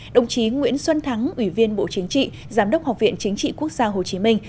đồng chí nguyễn xuân thắng ủy viên bộ chính trị giám đốc học viện chính trị quốc gia hồ chí minh